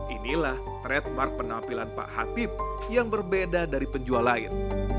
inilah trademark penampilan pak hatip yang berbeda dari penjual lain